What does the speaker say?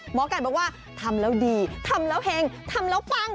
หมอไก่บอกว่าทำแล้วดีทำแล้วเห็งทำแล้วปัง